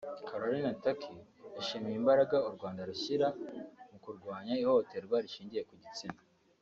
Carolyn Turk yashimiye imbaraga u Rwanda rushyira mu kurwanya ihohoterwa rishingiye ku gitsina